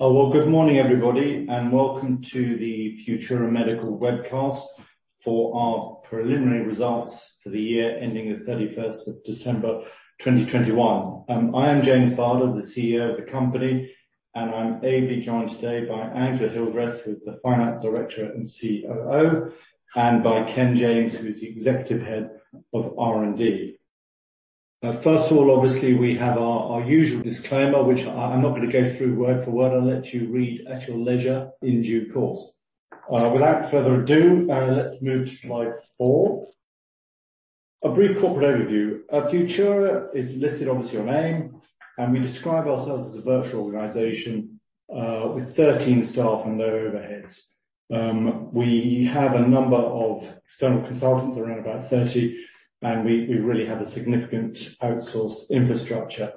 Oh, well good morning everybody, and welcome to the Futura Medical webcast for our preliminary results for the year ending the 31st of December, 2021. I am James Barder, the CEO of the company, and I'm ably joined today by Angela Hildreth, who's the Finance Director and COO, and by Ken James, who is the Executive Head of R&D. Now, first of all, obviously, we have our usual disclaimer, which I'm not gonna go through word for word. I'll let you read at your leisure in due course. Without further ado, let's move to slide four. A brief corporate overview. Futura is listed obviously on AIM, and we describe ourselves as a virtual organization with 13 staff and no overheads. We have a number of external consultants, around about 30, and we really have a significant outsourced infrastructure.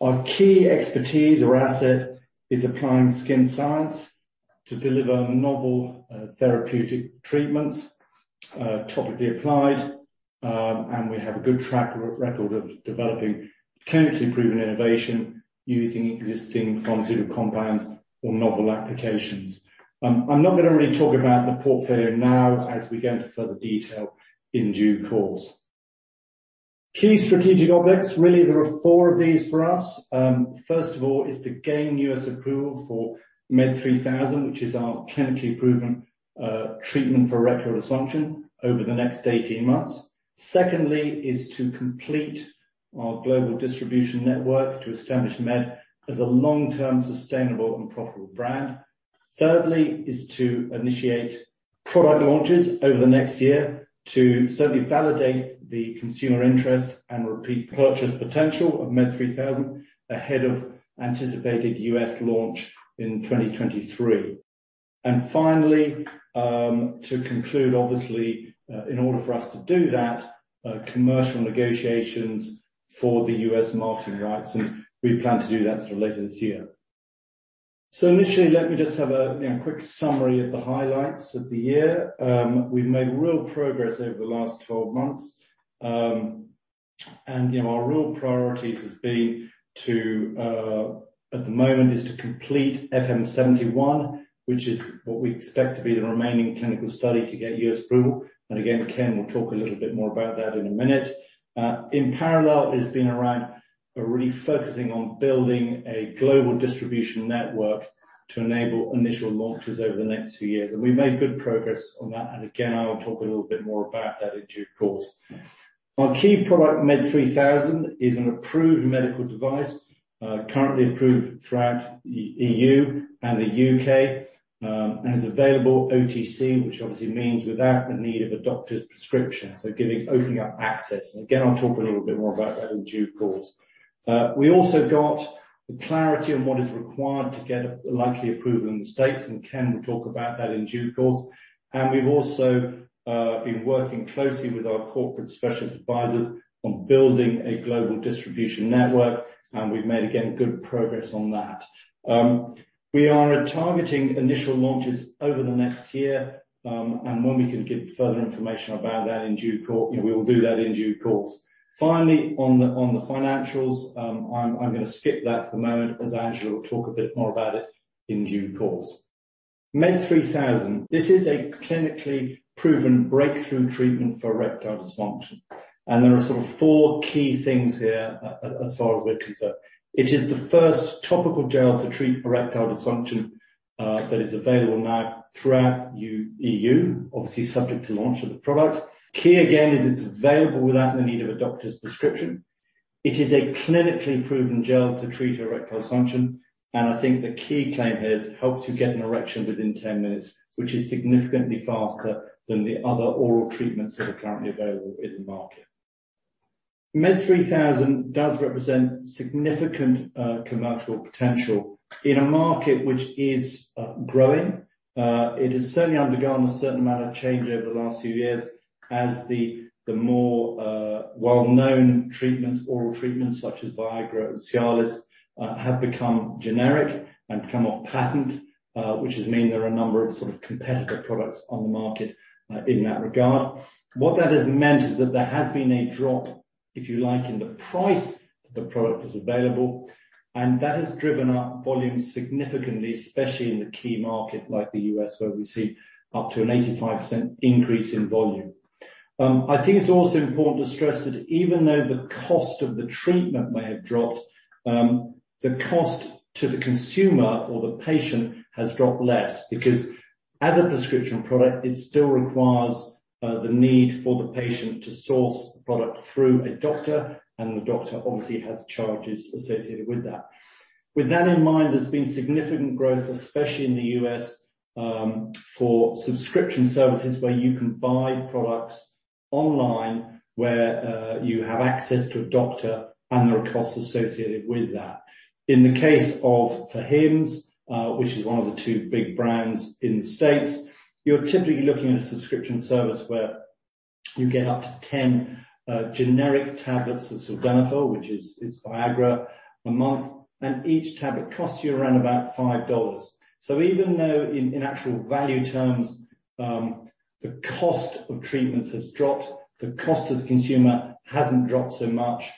Our key expertise or asset is applying skin science to deliver novel therapeutic treatments topically applied, and we have a good track record of developing clinically proven innovation using existing consumer compounds or novel applications. I'm not gonna really talk about the portfolio now as we go into further detail in due course. Key strategic objectives. Really, there are four of these for us. First of all is to gain U.S. approval for MED3000, which is our clinically proven treatment for erectile dysfunction over the next 18 months. Secondly is to complete our global distribution network to establish MED3000 as a long-term sustainable and profitable brand. Thirdly is to initiate product launches over the next year to certainly validate the consumer interest and repeat purchase potential of MED3000 ahead of anticipated U.S. launch in 2023. Finally, to conclude obviously, in order for us to do that, commercial negotiations for the U.S. marketing rights, and we plan to do that sort of later this year. Initially, let me just have a, you know, quick summary of the highlights of the year. We've made real progress over the last 12 months, and you know, our real priorities has been to, at the moment is to complete FM71, which is what we expect to be the remaining clinical study to get U.S. approval. Again, Ken will talk a little bit more about that in a minute. In parallel has been around a refocusing on building a global distribution network to enable initial launches over the next few years. We've made good progress on that, and again, I will talk a little bit more about that in due course. Our key product, MED3000, is an approved medical device, currently approved throughout the EU and the U.K., and is available OTC, which obviously means without the need of a doctor's prescription, so giving opening up access. Again, I'll talk a little bit more about that in due course. We also got the clarity on what is required to get a likely approval in the States, and Ken will talk about that in due course. We've also been working closely with our corporate specialist advisors on building a global distribution network, and we've made again good progress on that. We are targeting initial launches over the next year, and when we can give further information about that in due course, you know, we will do that in due course. Finally, on the financials, I'm gonna skip that for the moment as Angela will talk a bit more about it in due course. MED3000. This is a clinically proven breakthrough treatment for erectile dysfunction, and there are sort of four key things here as far as we're concerned. It is the first topical gel to treat erectile dysfunction, that is available now throughout EU, obviously subject to launch of the product. Key again, is it's available without the need of a doctor's prescription. It is a clinically proven gel to treat erectile dysfunction, and I think the key claim here is help to get an erection within 10 minutes, which is significantly faster than the other oral treatments that are currently available in the market. MED3000 does represent significant commercial potential in a market which is growing. It has certainly undergone a certain amount of change over the last few years as the more well-known treatments, oral treatments such as Viagra and Cialis, have become generic and come off patent, which has meant there are a number of sort of competitor products on the market in that regard. What that has meant is that there has been a drop, if you like, in the price that the product is available, and that has driven up volume significantly, especially in the key market like the U.S. where we see up to an 85% increase in volume. I think it's also important to stress that even though the cost of the treatment may have dropped, the cost to the consumer or the patient has dropped less because as a prescription product, it still requires the need for the patient to source the product through a doctor, and the doctor obviously has charges associated with that. With that in mind, there's been significant growth, especially in the U.S., for subscription services where you can buy products online where you have access to a doctor and there are costs associated with that. In the case of Hims, which is one of the two big brands in the States, you're typically looking at a subscription service where you get up to 10 generic tablets of sildenafil, which is Viagra a month, and each tablet costs you around about $5. Even though in actual value terms, the cost of treatments has dropped, the cost to the consumer hasn't dropped so much,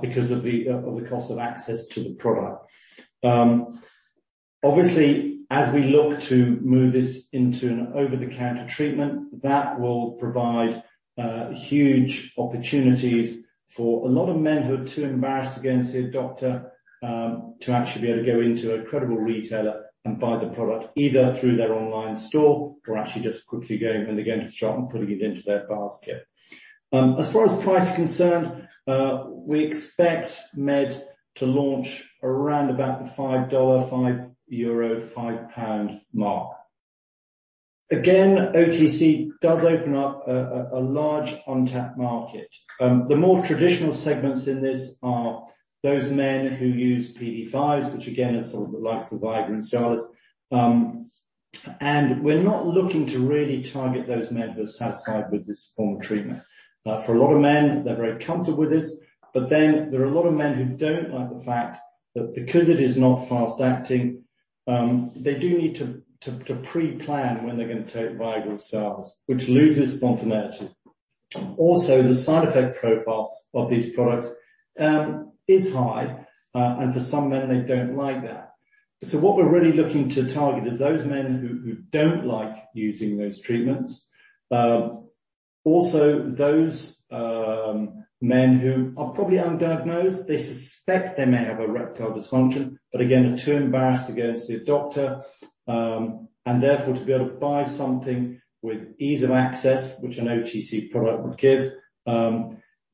because of the cost of access to the product. Obviously, as we look to move this into an over-the-counter treatment, that will provide huge opportunities for a lot of men who are too embarrassed to go and see a doctor, to actually be able to go into a credible retailer and buy the product, either through their online store or actually just quickly going into the shop and putting it into their basket. As far as price is concerned, we expect MED3000 to launch around about the $5, 5 euro, 5 pound mark. Again, OTC does open up a large untapped market. The more traditional segments in this are those men who use PDE5's, which again is sort of the likes of Viagra and Cialis. We're not looking to really target those men who are satisfied with this form of treatment. For a lot of men, they're very comfortable with this, but then there are a lot of men who don't like the fact that because it is not fast-acting, they do need to pre-plan when they're gonna take Viagra or Cialis, which loses spontaneity. Also, the side effect profile of these products is high, and for some men, they don't like that. What we're really looking to target is those men who don't like using those treatments. Also those men who are probably undiagnosed, they suspect they may have erectile dysfunction, but again, are too embarrassed to go and see a doctor. Therefore, to be able to buy something with ease of access, which an OTC product would give,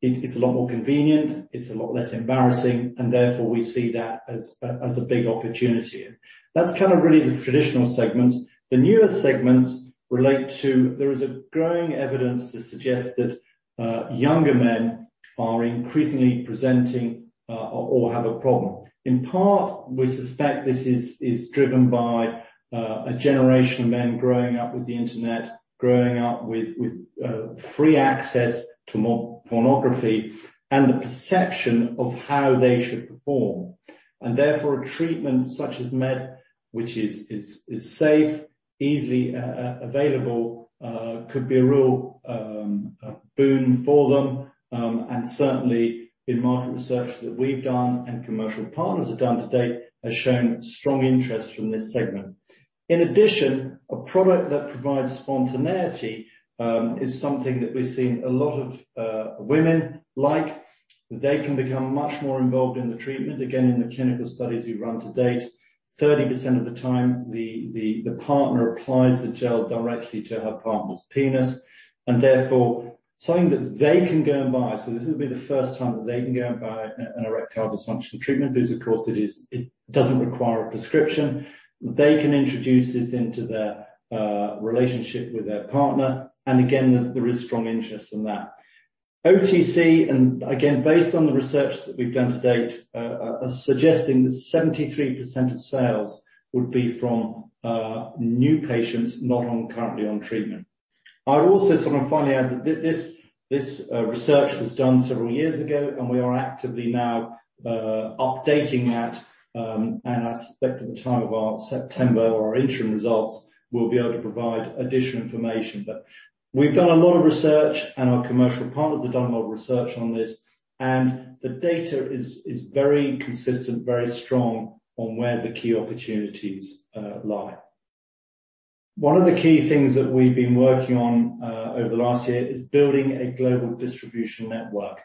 it is a lot more convenient, it's a lot less embarrassing, and therefore we see that as a big opportunity. That's kind of really the traditional segments. The newer segments relate to there is growing evidence to suggest that younger men are increasingly presenting or have a problem. In part, we suspect this is driven by a generation of men growing up with the internet, growing up with free access to pornography and the perception of how they should perform. Therefore, a treatment such as MED3000, which is safe, easily available, could be a real boon for them. Certainly in market research that we've done and commercial partners have done to date has shown strong interest from this segment. In addition, a product that provides spontaneity is something that we're seeing a lot of women like. They can become much more involved in the treatment. Again, in the clinical studies we've run to date, 30% of the time, the partner applies the gel directly to her partner's penis, and therefore something that they can go and buy. This would be the first time that they can go and buy an erectile dysfunction treatment because of course it is it doesn't require a prescription. They can introduce this into their relationship with their partner. Again, there is strong interest in that. OTC and again, based on the research that we've done to date, are suggesting that 73% of sales would be from new patients not currently on treatment. I would also sort of finally add that this research was done several years ago, and we are actively now updating that. I suspect at the time of our September or our interim results, we'll be able to provide additional information. We've done a lot of research, and our commercial partners have done a lot of research on this, and the data is very consistent, very strong on where the key opportunities lie. One of the key things that we've been working on over the last year is building a global distribution network.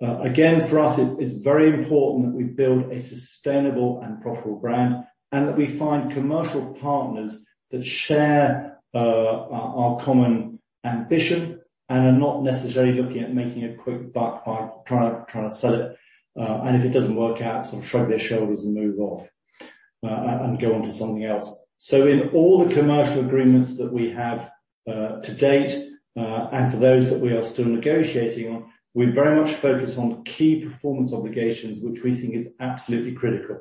Again, for us, it's very important that we build a sustainable and profitable brand, and that we find commercial partners that share our common ambition and are not necessarily looking at making a quick buck by trying to sell it, and if it doesn't work out, sort of shrug their shoulders and move off, and go on to something else. In all the commercial agreements that we have to date, and for those that we are still negotiating on, we very much focus on key performance obligations, which we think is absolutely critical.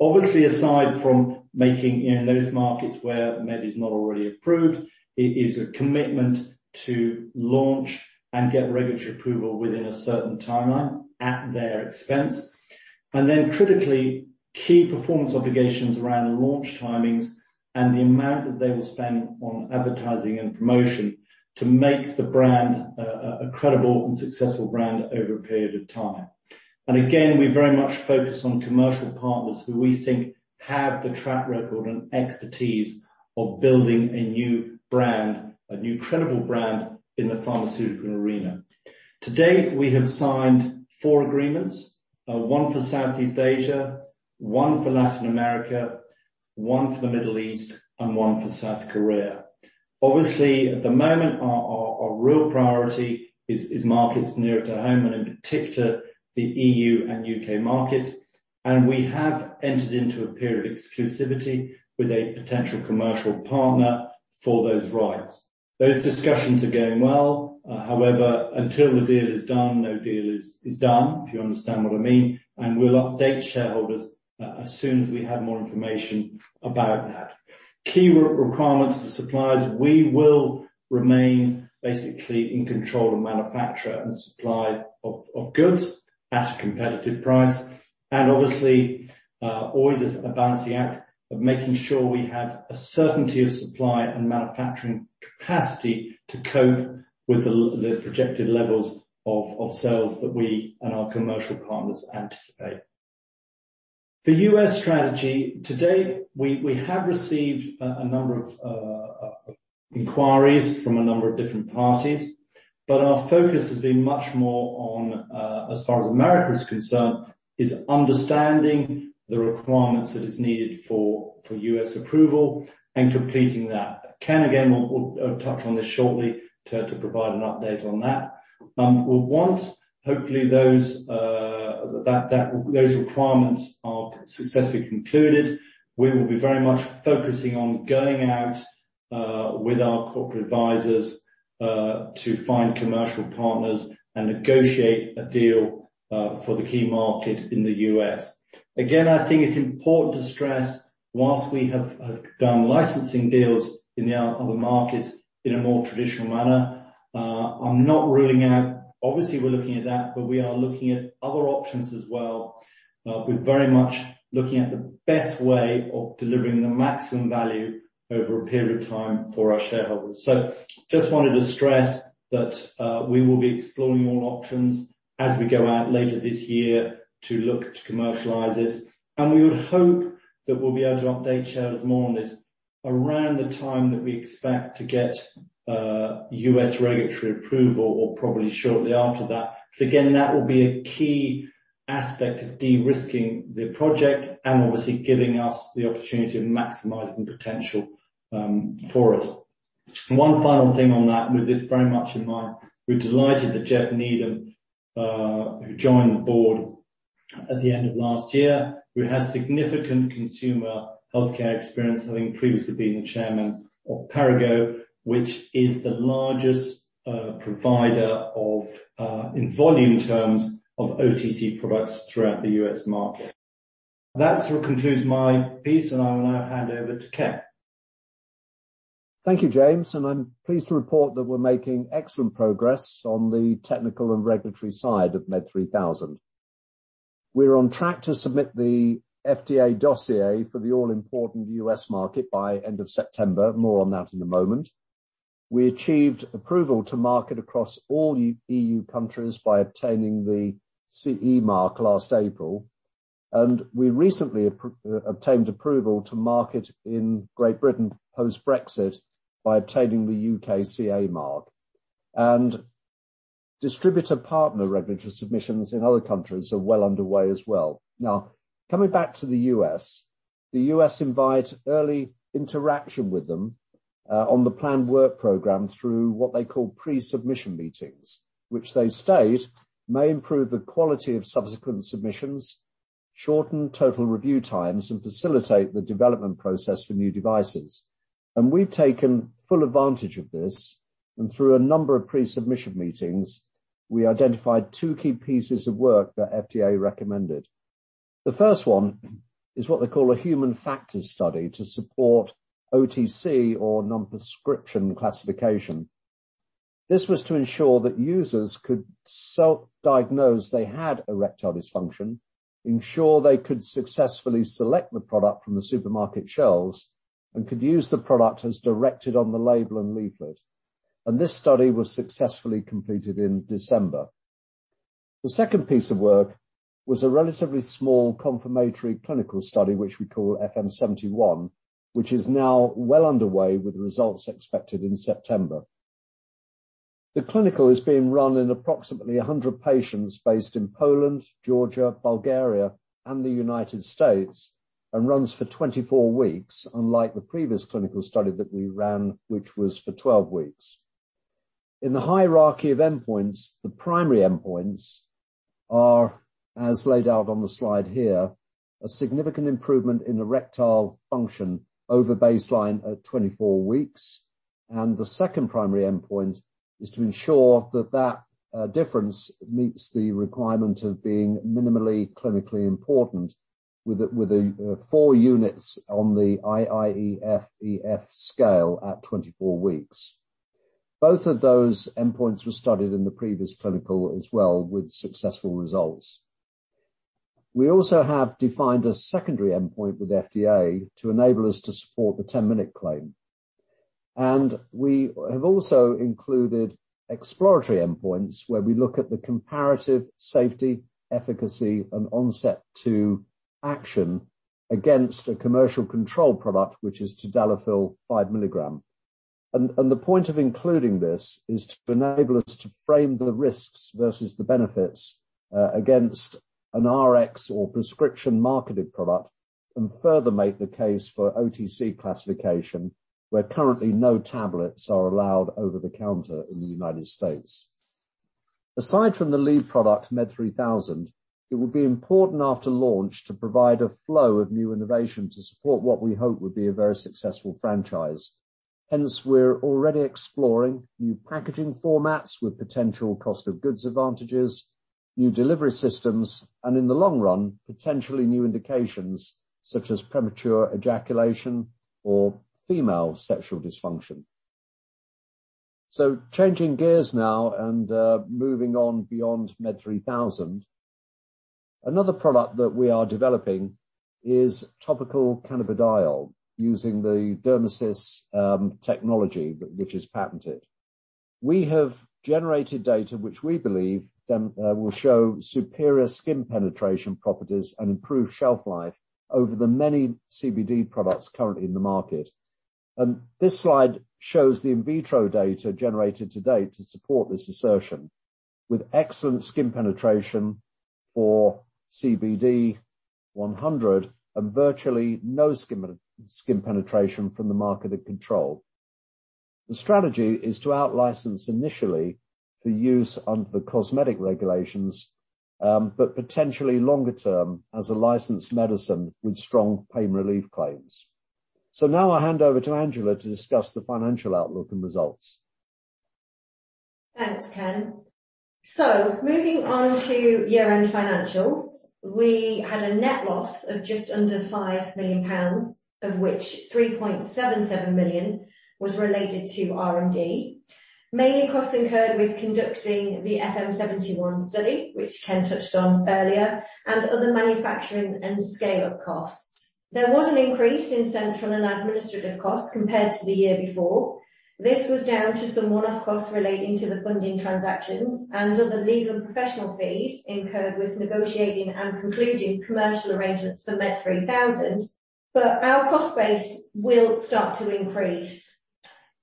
Obviously, aside from making in those markets where MED3000 is not already approved, it is a commitment to launch and get regulatory approval within a certain timeline at their expense. Critically, key performance obligations around launch timings and the amount that they will spend on advertising and promotion to make the brand a credible and successful brand over a period of time. Again, we very much focus on commercial partners who we think have the track record and expertise of building a new brand, a new credible brand in the pharmaceutical arena. To date, we have signed four agreements. One for Southeast Asia, one for Latin America, one for the Middle East, and one for South Korea. Obviously, at the moment, our real priority is markets nearer to home and in particular the EU and U.K. markets. We have entered into a period of exclusivity with a potential commercial partner for those rights. Those discussions are going well. However, until the deal is done, no deal is done, if you understand what I mean, and we'll update shareholders as soon as we have more information about that. Key requirements for suppliers, we will remain basically in control of manufacture and supply of goods at a competitive price. Obviously, always is a balancing act of making sure we have a certainty of supply and manufacturing capacity to cope with the projected levels of sales that we and our commercial partners anticipate. The U.S. strategy. To date, we have received a number of inquiries from a number of different parties, but our focus has been much more on, as far as America is concerned, is understanding the requirements that is needed for U.S. approval and completing that. Ken, again, will touch on this shortly to provide an update on that. Well, once, hopefully those requirements are successfully concluded, we will be very much focusing on going out with our corporate advisors to find commercial partners and negotiate a deal for the key market in the U.S. Again, I think it's important to stress, while we have done licensing deals in the other markets in a more traditional manner, I'm not ruling out. Obviously, we're looking at that, but we are looking at other options as well. We're very much looking at the best way of delivering the maximum value over a period of time for our shareholders. Just wanted to stress that, we will be exploring all options as we go out later this year to look to commercialize this, and we would hope that we'll be able to update shareholders more on this around the time that we expect to get, U.S. regulatory approval or probably shortly after that. Again, that will be a key aspect of de-risking the project and obviously giving us the opportunity of maximizing potential, for it. One final thing on that, with this very much in mind. We're delighted that Jeff Needham, who joined the board at the end of last year, who has significant consumer healthcare experience, having previously been the Chairman of Perrigo, which is the largest, provider of, in volume terms of OTC products throughout the U.S. market. That sort of concludes my piece, and I will now hand over to Ken. Thank you, James, and I'm pleased to report that we're making excellent progress on the technical and regulatory side of MED3000. We're on track to submit the FDA dossier for the all-important U.S. market by end of September. More on that in a moment. We achieved approval to market across all EU countries by obtaining the CE mark last April, and we recently obtained approval to market in Great Britain post-Brexit by obtaining the UKCA mark. Distributor partner regulatory submissions in other countries are well underway as well. Now, coming back to the U.S. The U.S. invites early interaction with them on the planned work program through what they call pre-submission meetings, which they state may improve the quality of subsequent submissions, shorten total review times, and facilitate the development process for new devices. We've taken full advantage of this, and through a number of pre-submission meetings, we identified two key pieces of work that FDA recommended. The first one is what they call a human factors study to support OTC or non-prescription classification. This was to ensure that users could self-diagnose they had erectile dysfunction, ensure they could successfully select the product from the supermarket shelves, and could use the product as directed on the label and leaflet. This study was successfully completed in December. The second piece of work was a relatively small confirmatory clinical study, which we call FM71, which is now well underway with the results expected in September. The clinical is being run in approximately 100 patients based in Poland, Georgia, Bulgaria, and the United States and runs for 24 weeks, unlike the previous clinical study that we ran which was for 12 weeks. In the hierarchy of endpoints, the primary endpoints are as laid out on the slide here, a significant improvement in erectile function over baseline at 24 weeks, and the second primary endpoint is to ensure that difference meets the requirement of being minimally clinically important with a four units on the IIEF scale at 24 weeks. Both of those endpoints were studied in the previous clinical as well with successful results. We also have defined a secondary endpoint with FDA to enable us to support the 10-minute claim. We have also included exploratory endpoints where we look at the comparative safety, efficacy, and onset to action against a commercial control product, which is tadalafil 5 mg. The point of including this is to enable us to frame the risks versus the benefits against an RX or prescription marketed product and further make the case for OTC classification, where currently no tablets are allowed over the counter in the United States. Aside from the lead product, MED3000, it will be important after launch to provide a flow of new innovation to support what we hope would be a very successful franchise. Hence, we're already exploring new packaging formats with potential cost of goods advantages, new delivery systems, and in the long run, potentially new indications such as premature ejaculation or female sexual dysfunction. Changing gears now and moving on beyond MED3000. Another product that we are developing is topical cannabidiol using the DermaSys technology, which is patented. We have generated data which we believe then will show superior skin penetration properties and improved shelf life over the many CBD products currently in the market. This slide shows the in vitro data generated to date to support this assertion with excellent skin penetration for CBD100 and virtually no skin penetration from the marketed control. The strategy is to out-license initially for use under the cosmetic regulations, but potentially longer-term as a licensed medicine with strong pain relief claims. Now I'll hand over to Angela to discuss the financial outlook and results. Thanks, Ken. Moving on to year-end financials. We had a net loss of just under 5 million pounds, of which 3.77 million was related to R&D. Mainly costs incurred with conducting the FM71 study, which Ken touched on earlier, and other manufacturing and scale-up costs. There was an increase in central and administrative costs compared to the year before. This was down to some one-off costs relating to the funding transactions and other legal professional fees incurred with negotiating and concluding commercial arrangements for MED3000. Our cost base will start to increase.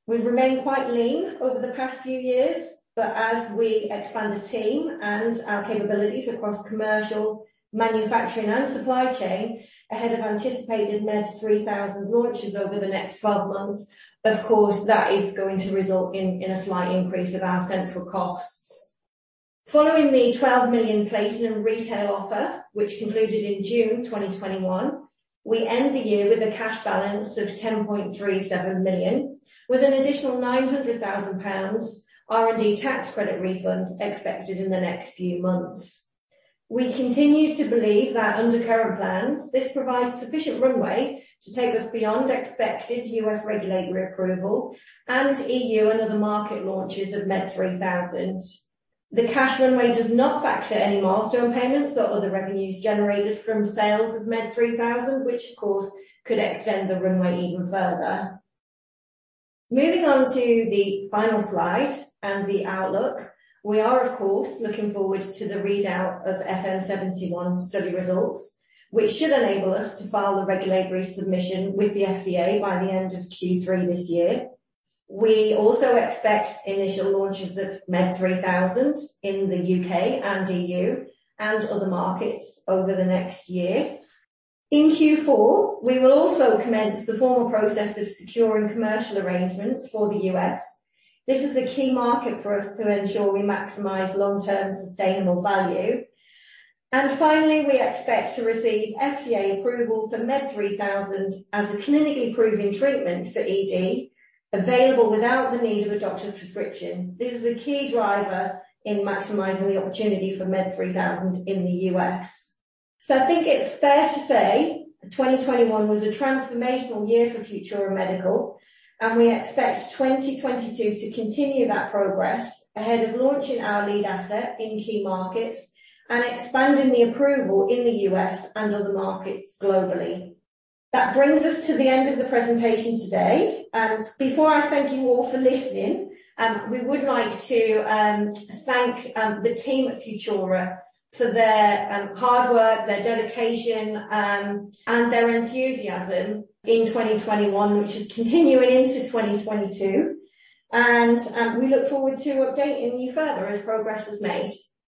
We've remained quite lean over the past few years, but as we expand the team and our capabilities across commercial, manufacturing and supply chain ahead of anticipated MED3000 launches over the next 12 months, of course, that is going to result in a slight increase of our central costs. Following the 12 million placing retail offer, which concluded in June 2021, we end the year with a cash balance of 10.37 million, with an additional 900,000 pounds R&D tax credit refund expected in the next few months. We continue to believe that under current plans, this provides sufficient runway to take us beyond expected U.S. regulatory approval and EU and other market launches of MED3000. The cash runway does not factor any milestone payments or other revenues generated from sales of MED3000, which of course could extend the runway even further. Moving on to the final slide and the outlook. We are of course looking forward to the readout of FM71 study results, which should enable us to file a regulatory submission with the FDA by the end of Q3 this year. We also expect initial launches of MED3000 in the U.K. and EU and other markets over the next year. In Q4, we will also commence the formal process of securing commercial arrangements for the U.S. This is a key market for us to ensure we maximize long-term sustainable value. Finally, we expect to receive FDA approval for MED3000 as a clinically proven treatment for ED, available without the need of a doctor's prescription. This is a key driver in maximizing the opportunity for MED3000 in the U.S. I think it's fair to say 2021 was a transformational year for Futura Medical, and we expect 2022 to continue that progress ahead of launching our lead asset in key markets and expanding the approval in the U.S. and other markets globally. That brings us to the end of the presentation today. Before I thank you all for listening, we would like to thank the team at Futura for their hard work, their dedication, and their enthusiasm in 2021, which is continuing into 2022. We look forward to updating you further as progress is made.